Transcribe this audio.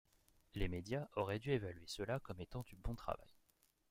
Les médias auraient dû évaluer cela comme étant du bon travail.